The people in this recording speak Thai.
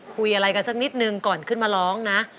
คุยอะไรกันสักนิดนึงก่อนขึ้นมาร้องนะ